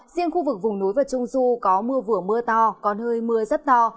riêng khu vực vùng núi và trung du có mưa vừa mưa to còn hơi mưa rất to